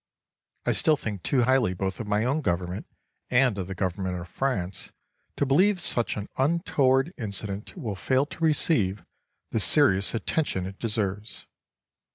I still think too highly both of my own government and of the government of France to believe that such an untoward incident will fail to receive the serious attention it deserves.